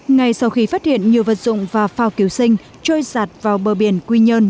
ngày sau khi phát hiện nhiều vật dụng và phao cứu sinh trôi sạt vào bờ biển quy nhơn